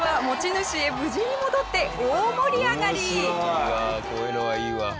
いいわこういうのはいいわ。